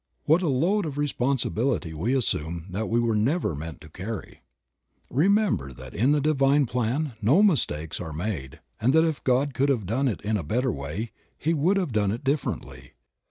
What a load of responsi bility we assume that we were never meant to carry. Remember that in the Divine plan no mistakes are made and that if God could have done it in a better way he would have done it differently.